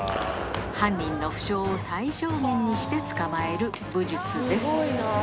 犯人の負傷を最小限にして捕まえる武術です。